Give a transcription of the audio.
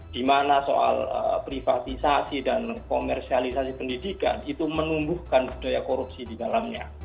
dimana soal privatisasi dan komersialisasi pendidikan itu menumbuhkan budaya korupsi di dalamnya